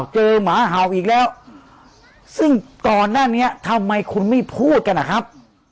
หมาเห่าอีกแล้วซึ่งก่อนหน้านี้ทำไมคุณไม่พูดกันนะครับ